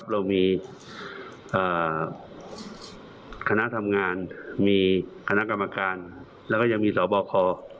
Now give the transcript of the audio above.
เรามีคณะทำงานมีคณะกรรมการแล้วก็ยังมีสบค